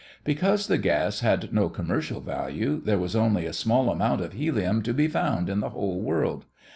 Because the gas had no commercial value, there was only a small amount of helium to be found in the whole world.